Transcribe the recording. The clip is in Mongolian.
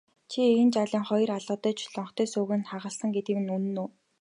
Чи энэ жаалыг хоёр алгадаж лонхтой сүүг нь хагалсан гэдэг үнэн үү?